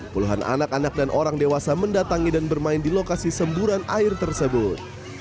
puluhan anak anak dan orang dewasa mendatangi dan bermain di lokasi semburan air tersebut